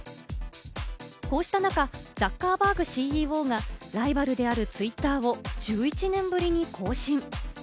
こうした中、ザッカーバーグＣＥＯがライバルであるツイッターを１１年ぶりに更新。